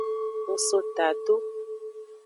Ng so tado.